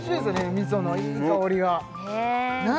味噌のいい香りが何